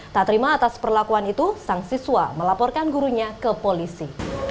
tak terima atas perlakuan itu sang siswa melaporkan gurunya ke polisi